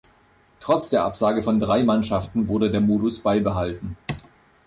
Trotz der Absage von drei Mannschaften wurde der Modus beibehalten.